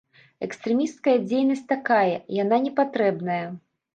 Экстрэмісцкая дзейнасць такая, яна не патрэбная.